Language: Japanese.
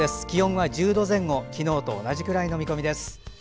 気温は１０度前後昨日と同じくらいの見込みです。